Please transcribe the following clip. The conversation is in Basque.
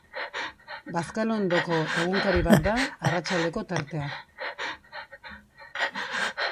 Bazkalondoko egunkari bat da arratsaldeko tartea.